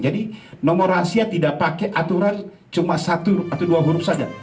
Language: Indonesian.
jadi nomor rahasia tidak pakai aturan cuma satu atau dua huruf saja